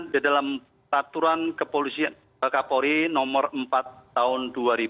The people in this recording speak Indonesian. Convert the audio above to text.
di dalam taturan kepolisian bkpori nomor empat tahun dua ribu lima belas